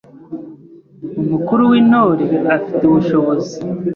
Umukuru w’Intore afite ubushobozi